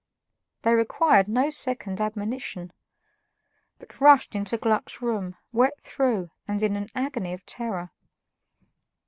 They required no second admonition, but rushed into Gluck's room, wet through and in an agony of terror.